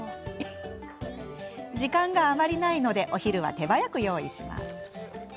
時間があまりないためお昼は手早く用意。